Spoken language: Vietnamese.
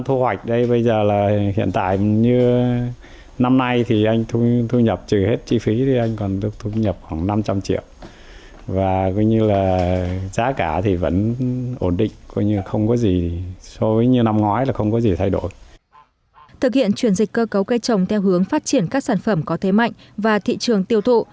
thực hiện truyền dịch cơ cấu cây trồng theo hướng phát triển các sản phẩm có thế mạnh và thị trường tiêu thụ